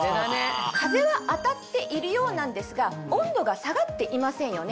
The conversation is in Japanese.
風は当たっているようなんですが温度が下がっていませんよね。